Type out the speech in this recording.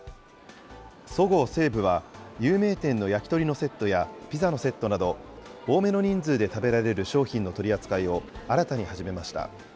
そごう・西武は、有名店の焼き鳥のセットや、ピザのセットなど、多めの人数で食べられる商品の取り扱いを新たに始めました。